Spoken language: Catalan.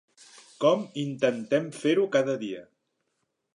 Com intentem fer-ho cada dia.